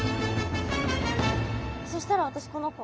そしたら私この子。